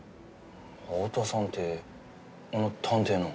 青田さんってあの探偵の？